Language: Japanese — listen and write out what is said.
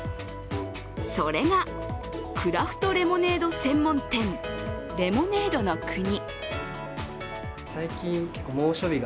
それが、クラフトレモネード専門店レモネードの国。